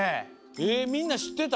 えみんなしってた？